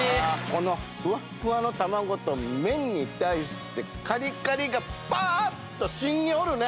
このフワフワの卵と麺に対してカリカリがパーッと芯におるね。